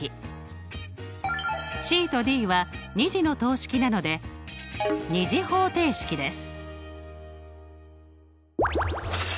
ＣとＤは２次の等式なので２次方程式です。